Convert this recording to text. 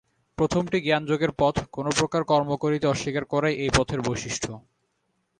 প্রথমটি জ্ঞানযোগের পথ, কোন প্রকার কর্ম করিতে অস্বীকার করাই এ পথের বৈশিষ্ট্য।